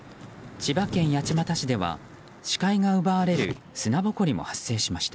千葉県八街市では視界が奪われる砂ぼこりも発生しました。